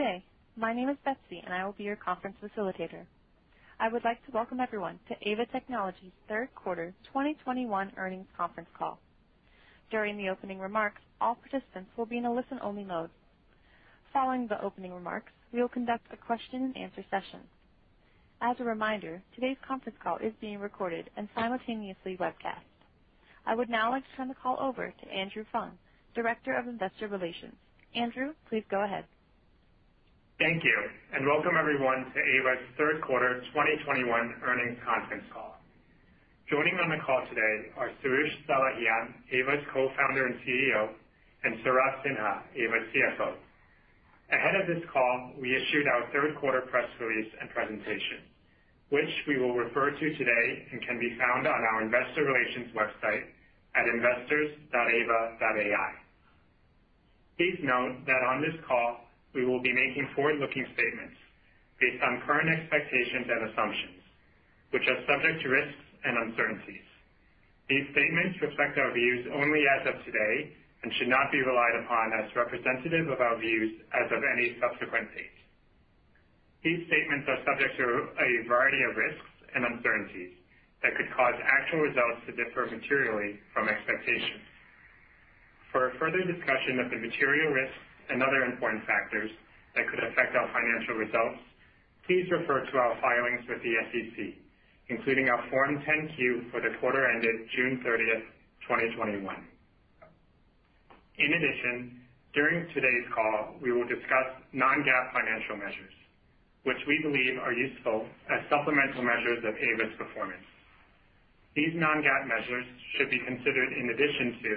Good day. My name is Betsy, and I will be your conference facilitator. I would like to welcome everyone to Aeva Technologies' third quarter 2021 earnings conference call. During the opening remarks, all participants will be in a listen-only mode. Following the opening remarks, we will conduct a question and answer session. As a reminder, today's conference call is being recorded and simultaneously webcast. I would now like to turn the call over to Andrew Fung, Director of Investor Relations. Andrew, please go ahead. Thank you, and welcome everyone to Aeva's third quarter 2021 earnings conference call. Joining on the call today are Soroush Salehian, Aeva's Co-founder and CEO, and Saurabh Sinha, Aeva's CFO. Ahead of this call, we issued our third quarter press release and presentation, which we will refer to today and can be found on our investor relations website at investors.aeva.ai. Please note that on this call, we will be making forward-looking statements based on current expectations and assumptions, which are subject to risks and uncertainties. These statements reflect our views only as of today and should not be relied upon as representative of our views as of any subsequent date. These statements are subject to a variety of risks and uncertainties that could cause actual results to differ materially from expectations. For a further discussion of the material risks and other important factors that could affect our financial results, please refer to our filings with the SEC, including our Form 10-Q for the quarter ended June 30, 2021. In addition, during today's call, we will discuss non-GAAP financial measures, which we believe are useful as supplemental measures of Aeva's performance. These non-GAAP measures should be considered in addition to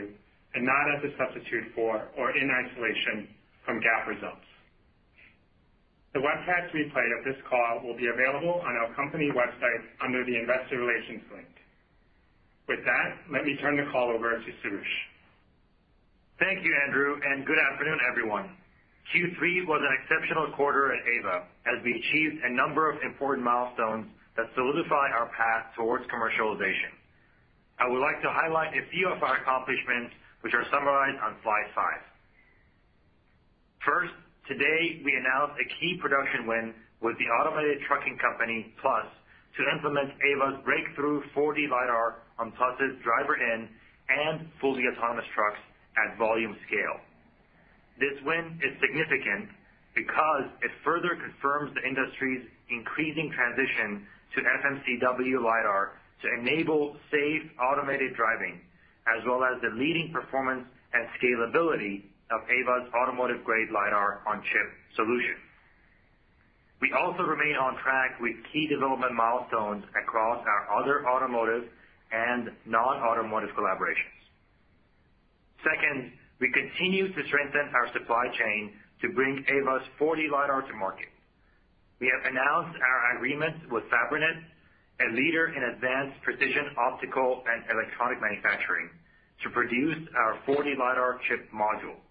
and not as a substitute for or in isolation from GAAP results. The webcast replay of this call will be available on our company website under the Investor Relations link. With that, let me turn the call over to Soroush. Thank you, Andrew, and good afternoon, everyone. Q3 was an exceptional quarter at Aeva as we achieved a number of important milestones that solidify our path towards commercialization. I would like to highlight a few of our accomplishments, which are summarized on slide 5. First, today we announced a key production win with the automated trucking company, Plus, to implement Aeva's breakthrough 4D LiDAR on Plus's driver-in and fully autonomous trucks at volume scale. This win is significant because it further confirms the industry's increasing transition to FMCW LiDAR to enable safe, automated driving as well as the leading performance and scalability of Aeva's automotive-grade LiDAR-on-Chip solution. We also remain on track with key development milestones across our other automotive and non-automotive collaborations. Second, we continue to strengthen our supply chain to bring Aeva's 4D LiDAR to market. We have announced our agreement with Fabrinet, a leader in advanced precision optical and electronic manufacturing, to produce our 4D LiDAR chip module,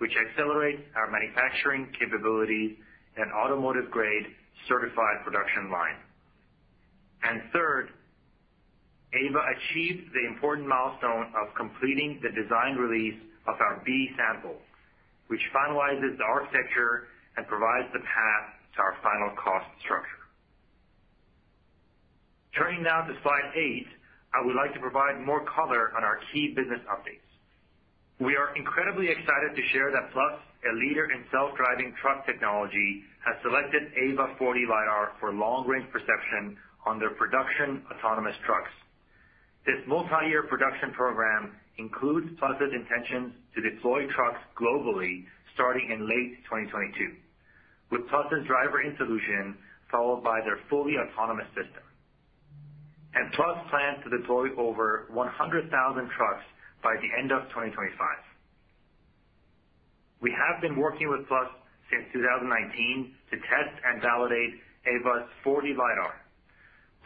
which accelerates our manufacturing capabilities and automotive-grade certified production line. Third, Aeva achieved the important milestone of completing the design release of our B sample, which finalizes the architecture and provides the path to our final cost structure. Turning now to slide 8, I would like to provide more color on our key business updates. We are incredibly excited to share that Plus, a leader in self-driving truck technology, has selected Aeva 4D LiDAR for long-range perception on their production autonomous trucks. This multi-year production program includes Plus's intentions to deploy trucks globally starting in late 2022, with Plus's driver-in solution followed by their fully autonomous system. Plus plans to deploy over 100,000 trucks by the end of 2025. We have been working with Plus since 2019 to test and validate Aeva's 4D LiDAR.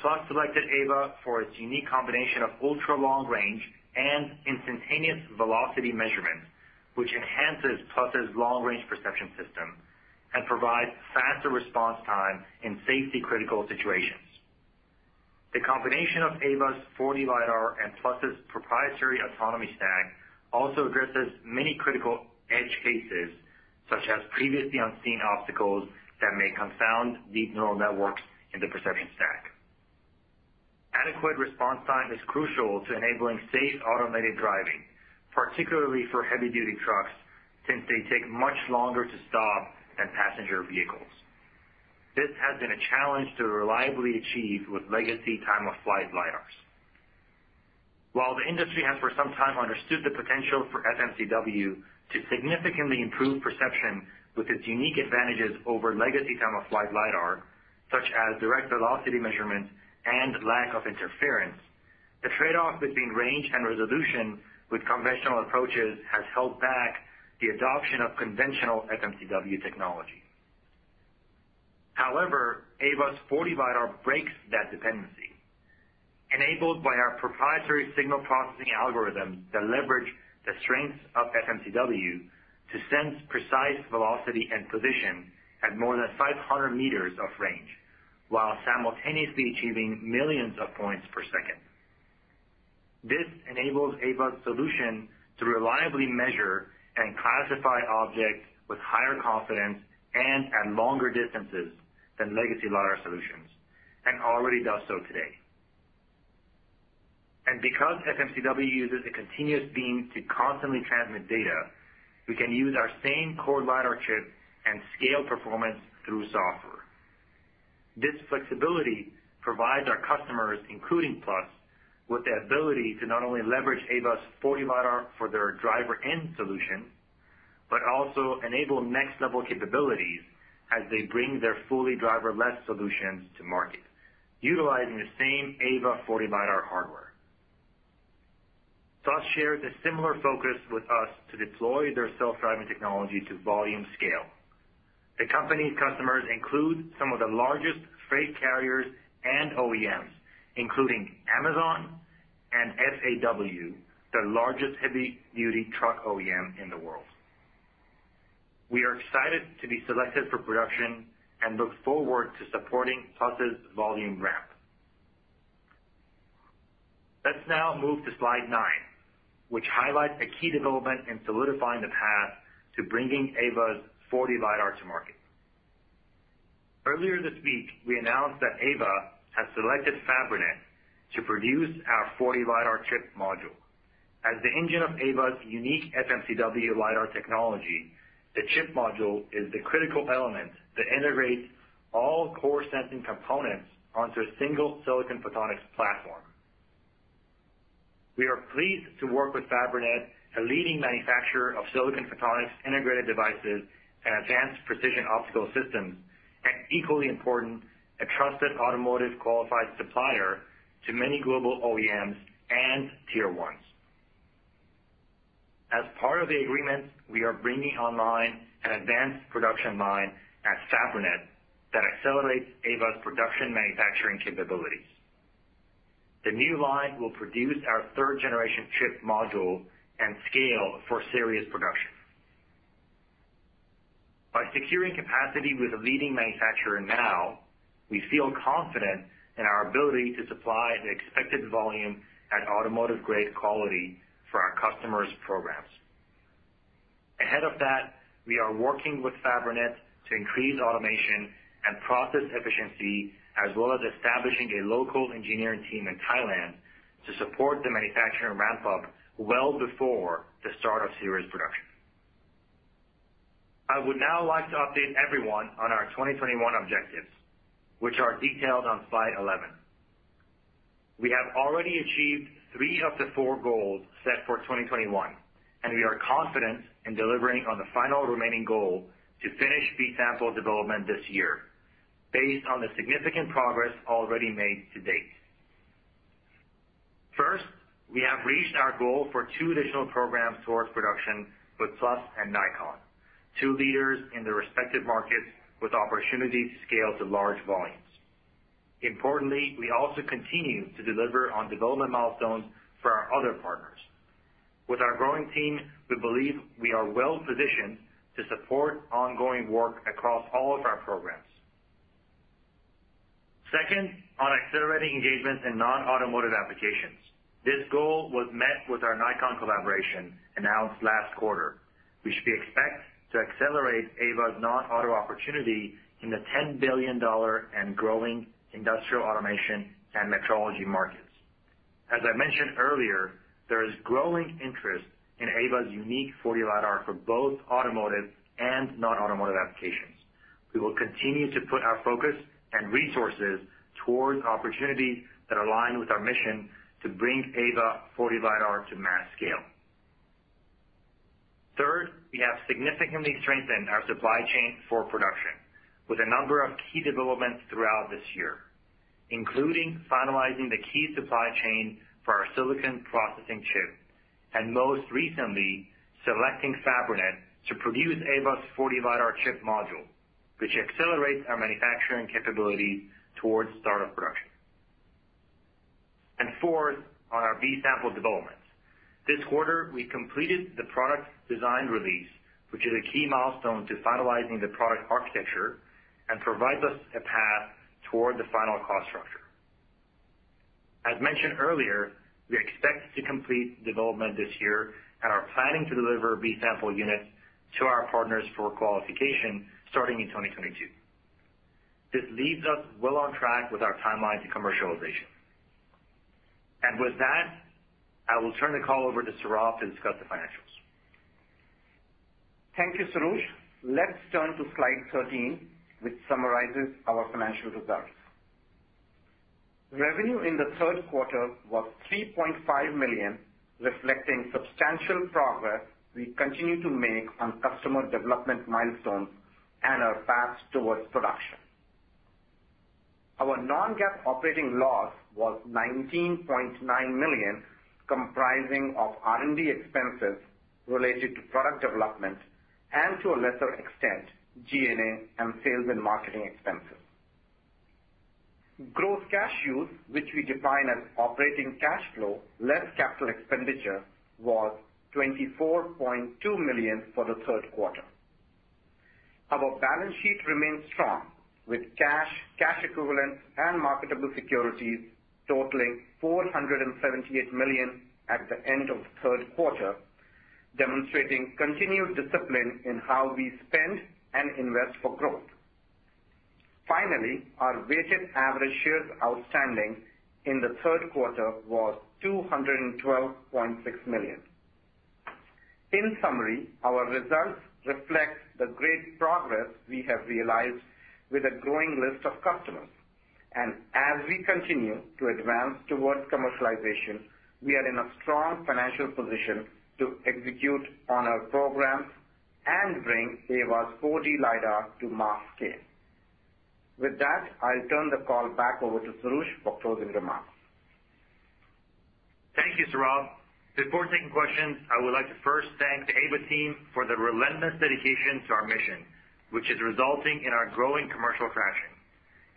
Plus selected Aeva for its unique combination of ultra-long range and instantaneous velocity measurement, which enhances Plus's long-range perception system and provides faster response time in safety-critical situations. The combination of Aeva's 4D LiDAR and Plus's proprietary autonomy stack also addresses many critical edge cases, such as previously unseen obstacles that may confound these neural networks in the perception stack. Adequate response time is crucial to enabling safe automated driving, particularly for heavy-duty trucks, since they take much longer to stop than passenger vehicles. This has been a challenge to reliably achieve with legacy Time-of-Flight LiDARs. While the industry has for some time understood the potential for FMCW to significantly improve perception with its unique advantages over legacy Time-of-Flight LiDAR, such as direct velocity measurement and lack of interference, the trade-off between range and resolution with conventional approaches has held back the adoption of conventional FMCW technology. However, Aeva's 4D LiDAR breaks that dependency. Enabled by our proprietary signal processing algorithm that leverage the strengths of FMCW to sense precise velocity and position at more than 500 meters of range while simultaneously achieving millions of points per second. This enables Aeva's solution to reliably measure and classify objects with higher confidence and at longer distances than legacy LiDAR solutions, and already does so today. Because FMCW uses a continuous beam to constantly transmit data, we can use our same core LiDAR chip and scale performance through software. This flexibility provides our customers, including Plus, with the ability to not only leverage Aeva's 4D LiDAR for their driver-in solution, but also enable next-level capabilities as they bring their fully driverless solutions to market, utilizing the same Aeva 4D LiDAR hardware. Plus shares a similar focus with us to deploy their self-driving technology to volume scale. The company's customers include some of the largest freight carriers and OEMs, including Amazon and FAW, the largest heavy-duty truck OEM in the world. We are excited to be selected for production and look forward to supporting Plus' volume ramp. Let's now move to slide nine, which highlights a key development in solidifying the path to bringing Aeva's 4D LiDAR to market. Earlier this week, we announced that Aeva has selected Fabrinet to produce our 4D LiDAR chip module. As the engine of Aeva's unique FMCW LiDAR technology, the chip module is the critical element that integrates all core sensing components onto a single silicon photonics platform. We are pleased to work with Fabrinet, a leading manufacturer of silicon photonics integrated devices and advanced precision optical systems, and equally important, a trusted automotive qualified supplier to many global OEMs and Tier 1s. As part of the agreement, we are bringing online an advanced production line at Fabrinet that accelerates Aeva's production manufacturing capabilities. The new line will produce our third-generation chip module and scale for series production. By securing capacity with a leading manufacturer now, we feel confident in our ability to supply the expected volume at automotive-grade quality for our customers' programs. Ahead of that, we are working with Fabrinet to increase automation and process efficiency, as well as establishing a local engineering team in Thailand to support the manufacturing ramp-up well before the start of series production. I would now like to update everyone on our 2021 objectives, which are detailed on slide 11. We have already achieved 3 of the 4 goals set for 2021, and we are confident in delivering on the final remaining goal to finish B-sample development this year based on the significant progress already made to date. First, we have reached our goal for two additional programs towards production with Plus and Nikon, two leaders in their respective markets with opportunity to scale to large volumes. Importantly, we also continue to deliver on development milestones for our other partners. With our growing team, we believe we are well-positioned to support ongoing work across all of our programs. Second, on accelerating engagement in non-automotive applications, this goal was met with our Nikon collaboration announced last quarter, which we expect to accelerate Aeva's non-auto opportunity in the $10 billion and growing industrial automation and metrology markets. As I mentioned earlier, there is growing interest in Aeva's unique 4D LiDAR for both automotive and non-automotive applications. We will continue to put our focus and resources towards opportunities that align with our mission to bring Aeva 4D LiDAR to mass scale. Third, we have significantly strengthened our supply chain for production with a number of key developments throughout this year, including finalizing the key supply chain for our silicon photonics chip, and most recently, selecting Fabrinet to produce Aeva's 4D LiDAR chip module, which accelerates our manufacturing capability towards start of production. Fourth, on our B-sample developments. This quarter, we completed the product design release, which is a key milestone to finalizing the product architecture and provides us a path toward the final cost structure. As mentioned earlier, we expect to complete development this year and are planning to deliver B-sample units to our partners for qualification starting in 2022. This leaves us well on track with our timeline to commercialization. With that, I will turn the call over to Saurabh to discuss the financials. Thank you, Soroush. Let's turn to slide 13, which summarizes our financial results. Revenue in the third quarter was $3.5 million, reflecting substantial progress we continue to make on customer development milestones and our path towards production. Our non-GAAP operating loss was $19.9 million, comprising of R&D expenses related to product development and, to a lesser extent, G&A and sales and marketing expenses. Gross cash use, which we define as operating cash flow, less capital expenditure, was $24.2 million for the third quarter. Our balance sheet remains strong with cash equivalents and marketable securities totaling $478 million at the end of the third quarter, demonstrating continued discipline in how we spend and invest for growth. Finally, our weighted average shares outstanding in the third quarter was 212.6 million. In summary, our results reflect the great progress we have realized with a growing list of customers. As we continue to advance towards commercialization, we are in a strong financial position to execute on our programs and bring Aeva's 4D LiDAR to mass scale. With that, I'll turn the call back over to Soroush for closing remarks. Thank you, Saurabh. Before taking questions, I would like to first thank the Aeva team for their relentless dedication to our mission, which is resulting in our growing commercial traction.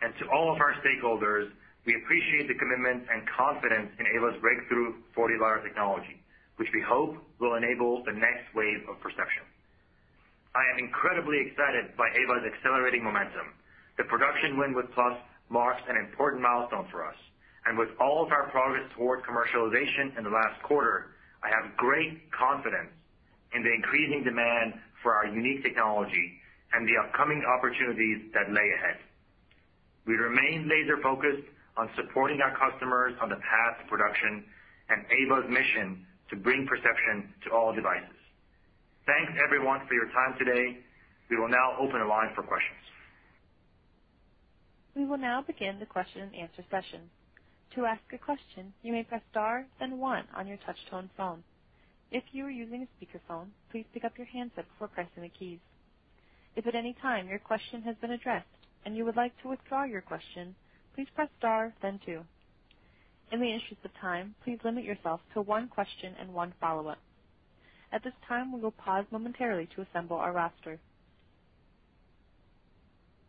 To all of our stakeholders, we appreciate the commitment and confidence in Aeva's breakthrough 4D LiDAR technology, which we hope will enable the next wave of perception. I am incredibly excited by Aeva's accelerating momentum. The production win with Plus marks an important milestone for us, and with all of our progress toward commercialization in the last quarter, I have great confidence in the increasing demand for our unique technology and the upcoming opportunities that lay ahead. We remain laser focused on supporting our customers on the path to production and Aeva's mission to bring perception to all devices. Thanks everyone for your time today. We will now open the line for questions. We will now begin the question-and-answer session. To ask a question, you may press star then one on your touch tone phone. If you are using a speakerphone, please pick up your handset before pressing the keys. If at any time your question has been addressed and you would like to withdraw your question, please press star then two. In the interest of time, please limit yourself to one question and one follow-up. At this time, we will pause momentarily to assemble our roster.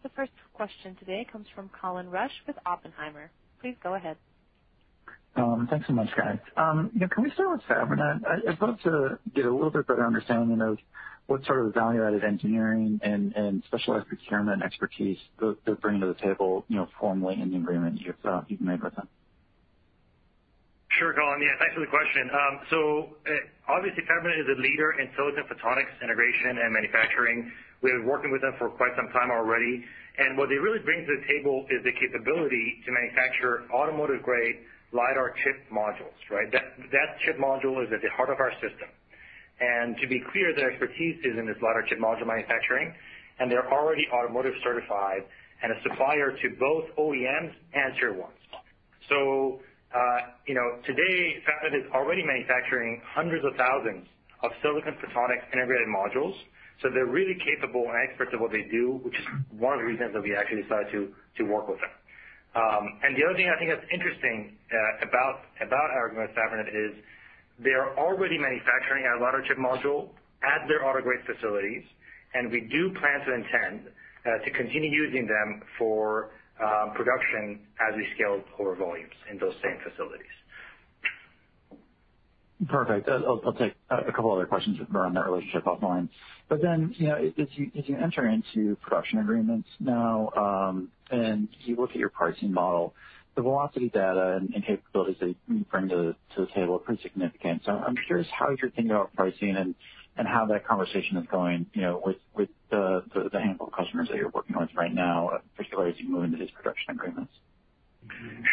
The first question today comes from Colin Rusch with Oppenheimer. Please go ahead. Thanks so much, guys. You know, can we start with Fabrinet? I'd love to get a little bit better understanding of what sort of value-added engineering and specialized procurement expertise they're bringing to the table, you know, formally in the agreement you've made with them. Sure, Colin. Yeah, thanks for the question. Obviously, Fabrinet is a leader in silicon photonics integration and manufacturing. We have been working with them for quite some time already. What they really bring to the table is the capability to manufacture automotive-grade LiDAR chip modules, right? That chip module is at the heart of our system. To be clear, their expertise is in this LiDAR chip module manufacturing, and they're already automotive certified and a supplier to both OEMs and Tier 1s. You know, today, Fabrinet is already manufacturing hundreds of thousands of silicon photonics integrated modules. They're really capable and experts at what they do, which is one of the reasons that we actually decided to work with them. The other thing I think that's interesting about our agreement with Fabrinet is they are already manufacturing our LiDAR chip module at their automotive-grade facilities, and we plan to continue using them for production as we scale lower volumes in those same facilities. Perfect. I'll take a couple other questions around that relationship offline. You know, as you enter into production agreements now, and you look at your pricing model, the velocity data and capabilities that you bring to the table are pretty significant. I'm curious how you're thinking about pricing and how that conversation is going, you know, with the handful of customers that you're working with right now, particularly as you move into these production agreements.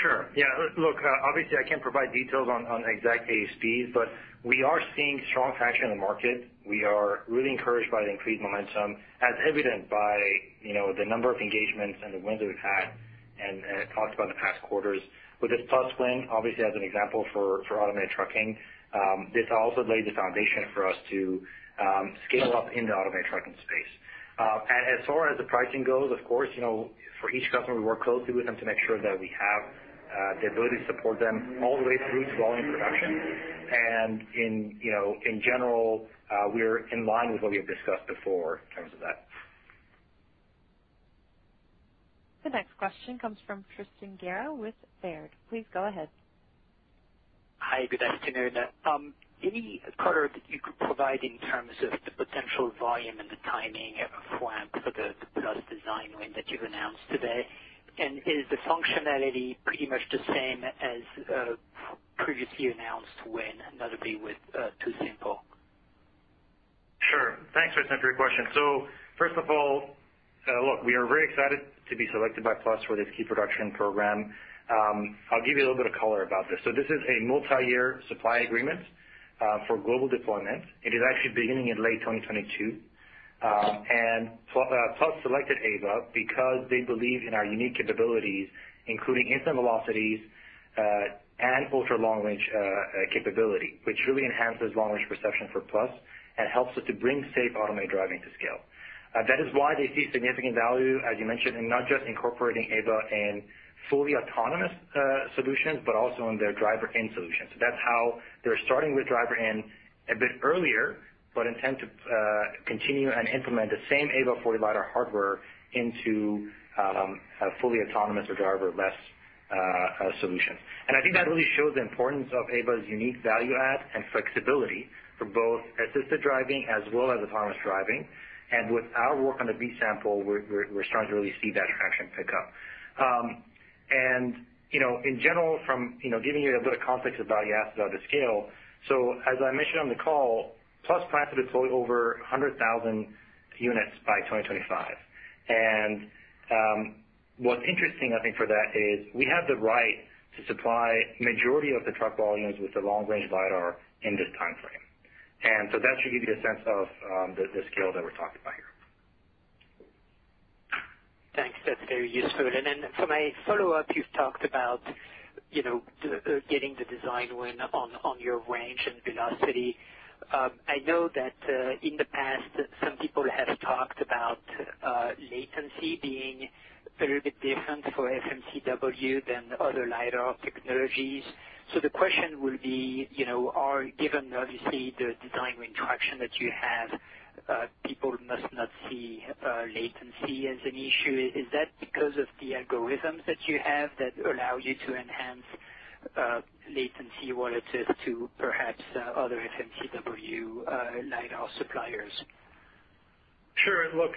Sure. Yeah. Look, obviously, I can't provide details on exact ASPs, but we are seeing strong traction in the market. We are really encouraged by the increased momentum as evident by, you know, the number of engagements and the wins that we've had and talked about in the past quarters. With this Plus win, obviously as an example for automated trucking, this also laid the foundation for us to scale up in the automated trucking space. As far as the pricing goes, of course, you know, for each customer, we work closely with them to make sure that we have the ability to support them all the way through to volume production. In general, we're in line with what we have discussed before in terms of that. The next question comes from Tristan Gerra with Baird. Please go ahead. Hi, good afternoon. Any color that you could provide in terms of the potential volume and the timing of a plan for the Plus design win that you've announced today? Is the functionality pretty much the same as previously announced win, that'll be with TuSimple? Sure. Thanks, Tristan, for your question. First of all, look, we are very excited to be selected by Plus for this key production program. I'll give you a little bit of color about this. This is a multi-year supply agreement for global deployment. It is actually beginning in late 2022. Plus selected Aeva because they believe in our unique capabilities, including instant velocities and ultra-long range capability, which really enhances long-range perception for Plus and helps us to bring safe automated driving to scale. That is why they see significant value, as you mentioned, in not just incorporating Aeva in fully autonomous solutions, but also in their driver-in solutions. That's how they're starting with driver-in a bit earlier, but intend to continue and implement the same Aeva 4D LiDAR hardware into a fully autonomous or driverless, a solution. I think that really shows the importance of Aeva's unique value add and flexibility for both assisted driving as well as autonomous driving. With our work on the B-sample, we're starting to really see that traction pick up. You know, in general, giving you a bit of context of value add to the scale. As I mentioned on the call, Plus plans to deploy over 100,000 units by 2025. What's interesting, I think, for that is we have the right to supply majority of the truck volumes with the long-range LiDAR in this timeframe. That should give you a sense of the scale that we're talking about here. Thanks. That's very useful. For my follow-up, you've talked about, you know, getting the design win on your range and velocity. I know that in the past, some people have talked about latency being a little bit different for FMCW than other LiDAR technologies. The question will be, you know, given obviously the design win traction that you have, people must not see latency as an issue. Is that because of the algorithms that you have that allow you to enhance latency relative to perhaps other FMCW LiDAR suppliers? Sure. Look,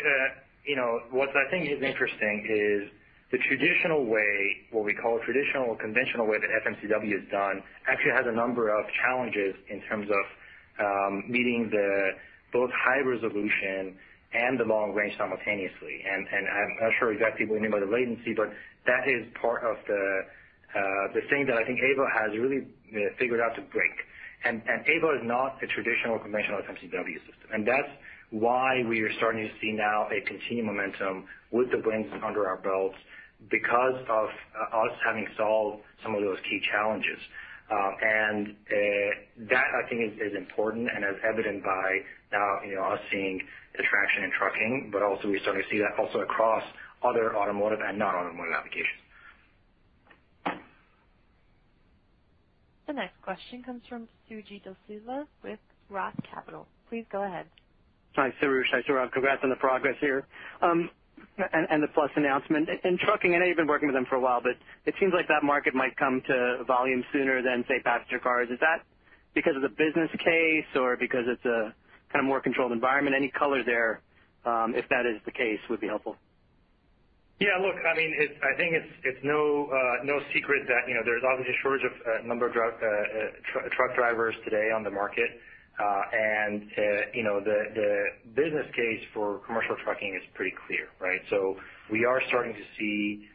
you know, what I think is interesting is the traditional way, what we call traditional or conventional way that FMCW is done, actually has a number of challenges in terms of meeting both high resolution and the long range simultaneously. I'm not sure exactly what you mean by the latency, but that is part of the thing that I think Aeva has really figured out to break. Aeva is not a traditional conventional FMCW system. That's why we are starting to see now a continued momentum with the wins under our belts because of us having solved some of those key challenges. That I think is important and is evident by now, you know, us seeing the traction in trucking, but also we're starting to see that also across other automotive and non-automotive applications. The next question comes from Suji Desilva with Roth Capital. Please go ahead. Hi, Soroush. Hi, Saurabh. Congrats on the progress here and the Plus announcement. In trucking, I know you've been working with them for a while, but it seems like that market might come to volume sooner than, say, passenger cars. Is that because of the business case or because it's a kinda more controlled environment? Any color there, if that is the case, would be helpful. I mean, it's no secret that, you know, there's obviously a shortage of number of truck drivers today on the market. You know, the business case for commercial trucking is pretty clear, right? We are starting to see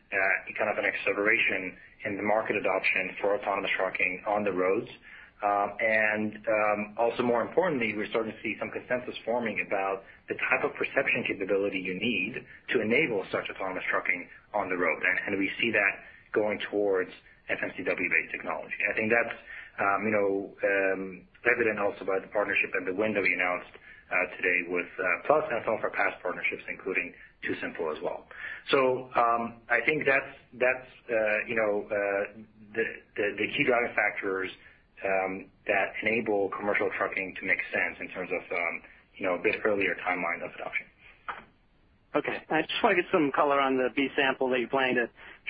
kind of an acceleration in the market adoption for autonomous trucking on the roads. Also more importantly, we're starting to see some consensus forming about the type of perception capability you need to enable such autonomous trucking on the road. We see that going towards FMCW-based technology. I think that's you know evident also by the partnership and the win that we announced today with Plus and some of our past partnerships, including TuSimple as well. I think that's, you know, the key driving factors that enable commercial trucking to make sense in terms of, you know, a bit earlier timeline of adoption. Okay. I just wanna get some color on the B sample that you're planning to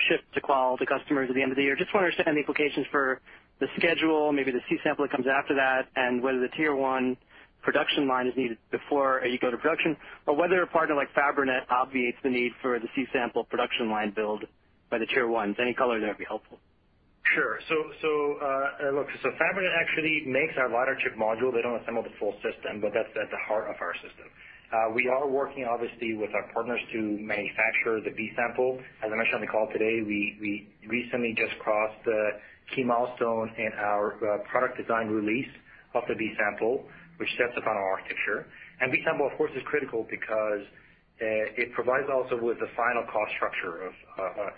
ship to the customers at the end of the year. Just wanna understand the implications for the schedule, maybe the C sample that comes after that, and whether the Tier 1 production line is needed before you go to production or whether a partner like Fabrinet obviates the need for the C sample production line build by the Tier 1s. Any color there would be helpful. Sure. Look, Fabrinet actually makes our LiDAR chip module. They don't assemble the full system, but that's at the heart of our system. We are working obviously with our partners to manufacture the B sample. As I mentioned on the call today, we recently just crossed a key milestone in our product design release of the B sample, which sets upon our architecture. B sample, of course, is critical because it provides also with the final cost structure of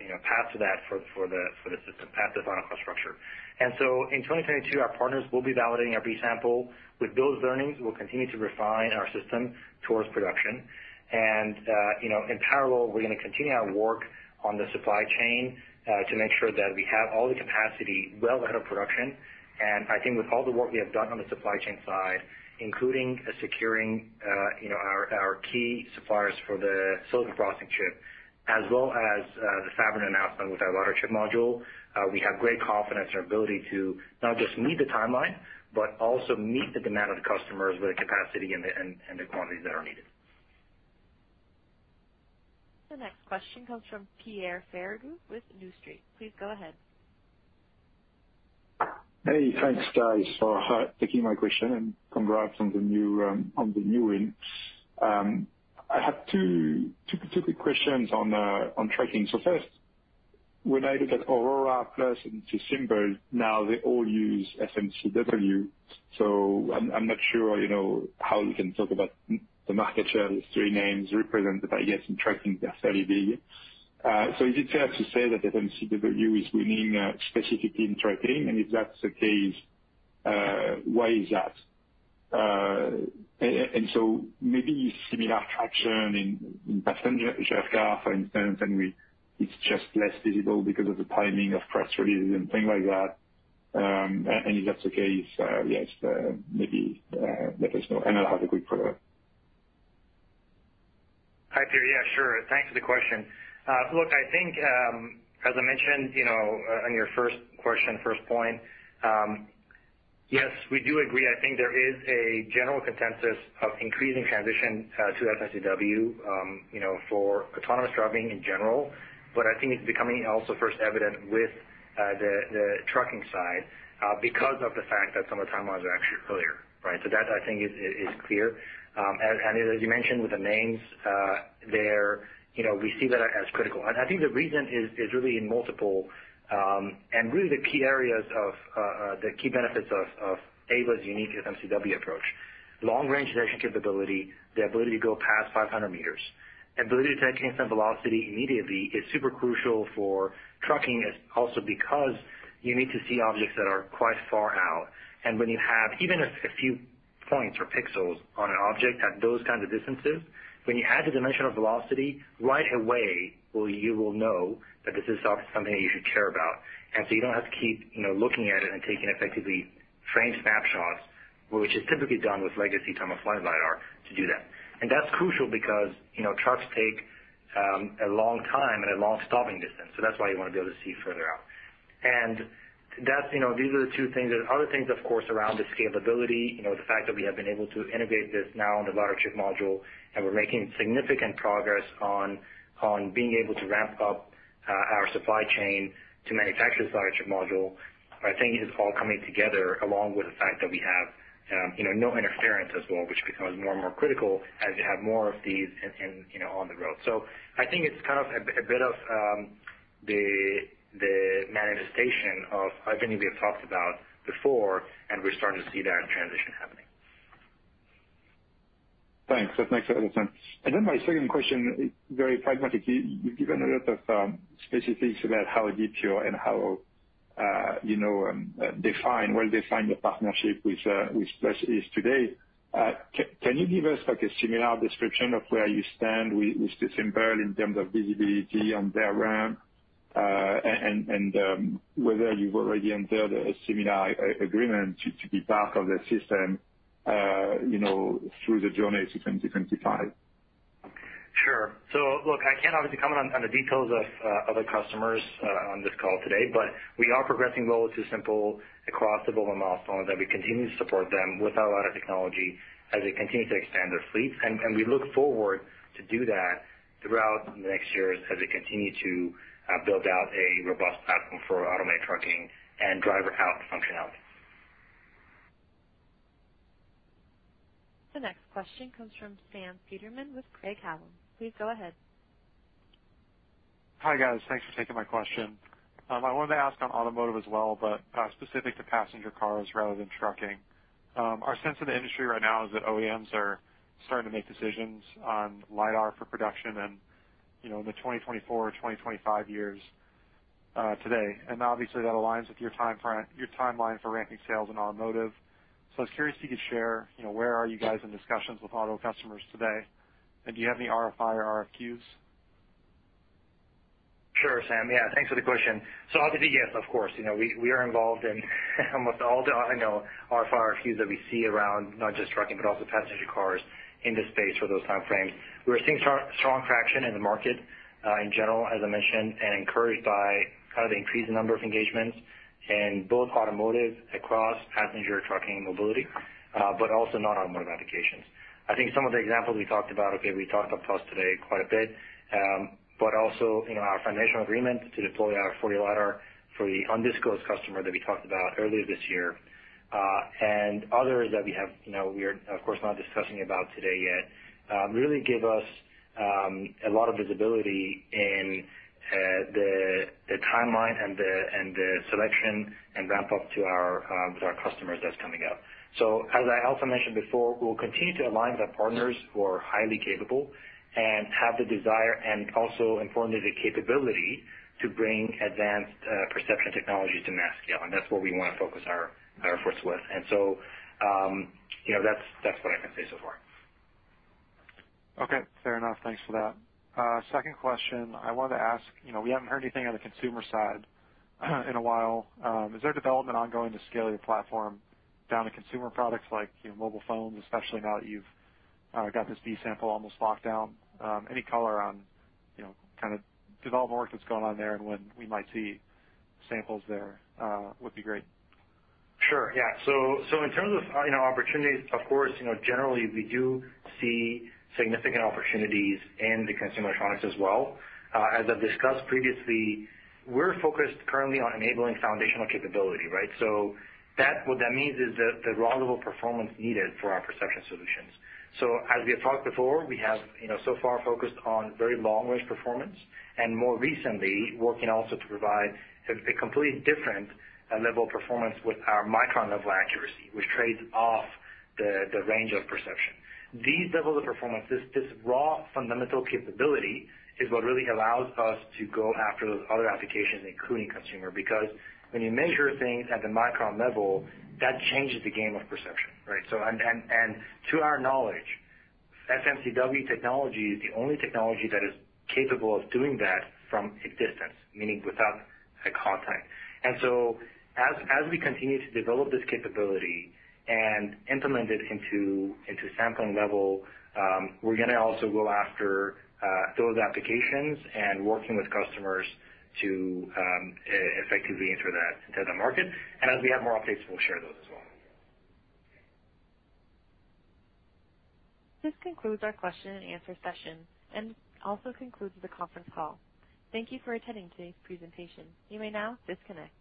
you know path to that for the system, path to final cost structure. In 2022, our partners will be validating our B sample. With those learnings, we'll continue to refine our system towards production. You know, in parallel, we're gonna continue our work on the supply chain to make sure that we have all the capacity well ahead of production. I think with all the work we have done on the supply chain side, including securing you know, our key suppliers for the silicon photonics chip as well as the Fabrinet announcement with our 4D LiDAR chip module, we have great confidence in our ability to not just meet the timeline, but also meet the demand of the customers with the capacity and the quantities that are needed. The next question comes from Pierre Ferragu with New Street. Please go ahead. Hey, thanks, guys, for taking my question, and congrats on the new wins. I have two specific questions on trucking. First, when I look at Aurora, Plus, and TuSimple, now they all use FMCW. I'm not sure, you know, how you can talk about the market share. These three names represent, I guess, in trucking, they're fairly big. Is it fair to say that FMCW is winning specifically in trucking? And if that's the case, why is that? And so maybe similar traction in passenger car, for instance, and it's just less visible because of the timing of press releases and things like that. And if that's the case, maybe let us know. And I'll have a quick follow-up. Yeah, sure. Thanks for the question. Look, I think, as I mentioned, you know, on your first question, first point, yes, we do agree. I think there is a general consensus of increasing transition to FMCW, you know, for autonomous driving in general. I think it's becoming also first evident with the trucking side, because of the fact that some of the timelines are actually clear, right? That I think is clear. As you mentioned, with the names, there, you know, we see that as critical. I think the reason is really in multiple, and really the key areas of the key benefits of Aeva's unique FMCW approach. Long-range detection capability, the ability to go past 500 meters. Ability to detect instant velocity immediately is super crucial for trucking, as also because you need to see objects that are quite far out. When you have even a few points or pixels on an object at those kinds of distances, when you add the dimension of velocity right away, well, you will know that this is something that you should care about. You don't have to keep, you know, looking at it and taking effectively frame snapshots, which is typically done with legacy Time-of-Flight LiDAR to do that. That's crucial because, you know, trucks take a long time and a long stopping distance, so that's why you wanna be able to see further out. That's, you know, these are the two things. There are other things, of course, around the scalability. You know, the fact that we have been able to integrate this now in the LiDAR chip module, and we're making significant progress on being able to ramp up our supply chain to manufacture this LiDAR chip module, I think is all coming together, along with the fact that we have you know, no interference as well, which becomes more and more critical as you have more of these in you know, on the road. I think it's kind of a bit of the manifestation of I think we have talked about before, and we're starting to see that transition happening. Thanks. That makes a lot of sense. My second question, very pragmatically, you've given a lot of specifics about how TuSimple and how you define where the partnership with Plus is today. Can you give us, like, a similar description of where you stand with TuSimple in terms of visibility on their ramp and whether you've already entered a similar agreement to be part of their system, you know, through the journey to 2025? Sure. Look, I can't obviously comment on the details of other customers on this call today, but we are progressing well with TuSimple across the board with milestones, and we continue to support them with our LiDAR technology as they continue to expand their fleet. We look forward to do that throughout the next years as they continue to build out a robust platform for automated trucking and driver out functionality. The next question comes from Sam Peterman with Craig-Hallum. Please go ahead. Hi, guys. Thanks for taking my question. I wanted to ask on automotive as well, but specific to passenger cars rather than trucking. Our sense of the industry right now is that OEMs are starting to make decisions on LiDAR for production and, you know, in the 2024 or 2025 years today. Obviously, that aligns with your timeline for ramping sales in automotive. I was curious if you could share, you know, where are you guys in discussions with auto customers today. Do you have any RFI or RFQs? Sure, Sam. Yeah, thanks for the question. Obviously, yes, of course, you know, we are involved in almost all the, I know, RFI or RFQs that we see around not just trucking, but also passenger cars in this space for those timeframes. We are seeing strong traction in the market, in general, as I mentioned, and encouraged by kind of the increased number of engagements in both automotive across passenger, trucking, and mobility, but also non-automotive applications. I think some of the examples we talked about, okay, we talked about today quite a bit, but also, you know, our foundational agreement to deploy our 4D LiDAR for the undisclosed customer that we talked about earlier this year. Others that we have, you know, we are, of course, not discussing about today yet, really give us a lot of visibility in the timeline and the selection and ramp up with our customers that's coming up. As I also mentioned before, we'll continue to align with our partners who are highly capable and have the desire and also importantly, the capability to bring advanced perception technologies to mass scale. That's where we wanna focus our efforts with. You know, that's what I can say so far. Okay, fair enough. Thanks for that. Second question I wanted to ask, you know, we haven't heard anything on the consumer side in a while. Is there development ongoing to scale your platform down to consumer products like, you know, mobile phones, especially now that you've got this B-sample almost locked down? Any color on, you know, kind of development work that's going on there and when we might see samples there would be great? Sure, yeah. In terms of, you know, opportunities, of course, you know, generally we do see significant opportunities in the consumer electronics as well. As I've discussed previously, we're focused currently on enabling foundational capability, right? That, what that means is the raw level performance needed for our perception solutions. As we have talked before, we have, you know, so far focused on very long-range performance. More recently, working also to provide a completely different level of performance with our micron level accuracy, which trades off the range of perception. These levels of performance, this raw fundamental capability is what really allows us to go after those other applications, including consumer. Because when you measure things at the micron level, that changes the game of perception, right? To our knowledge, FMCW technology is the only technology that is capable of doing that from a distance, meaning without eye contact. As we continue to develop this capability and implement it into sampling level, we're gonna also go after those applications and working with customers to effectively enter that into the market. As we have more updates, we'll share those as well. This concludes our question and answer session and also concludes the conference call. Thank you for attending today's presentation. You may now disconnect.